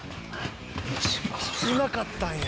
「危なかったんや」